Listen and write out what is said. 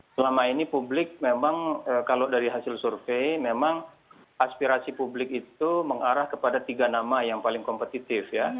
selama ini publik memang kalau dari hasil survei memang aspirasi publik itu mengarah kepada tiga nama yang paling kompetitif ya